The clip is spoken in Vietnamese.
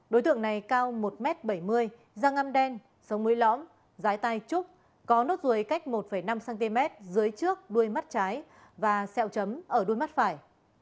đối tượng này cao một m bảy mươi da ngâm đen sống mới lõm rái tay trúc có nốt ruồi cách một năm cm dưới trước đuôi mắt trái và sẹo chấm ở đuôi mắt phải